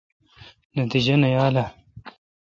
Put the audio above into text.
نتجہ نہ یال اؘ۔